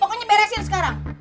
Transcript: pokoknya beresin sekarang